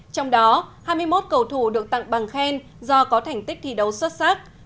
trong đó hai mươi một cầu thủ được tặng bằng khen do có thành tích thi đấu xuất sắc